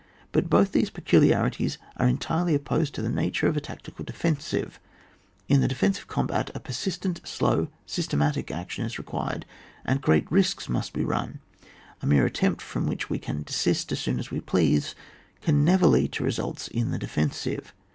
But both these peculiarities are entirely op posed to the nature of a tactical defensiva In the defensive combat a persistent slow systematic action is required, and great risks must be run ; a mere attempt, firom which we can desist as soon as we please, can never lead to results in the defensive.